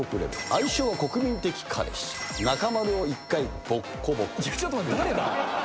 愛称は国民的彼氏、中丸を一回ぼっこぼこ。